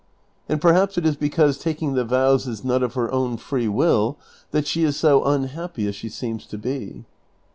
309 and perhaps it is because taking tlie vows is not of her own free will, that she is so unhappy as she seems to be."